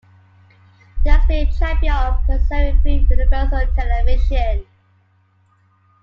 He has been a champion of preserving free universal television.